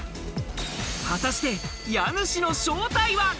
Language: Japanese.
果たして家主の正体は？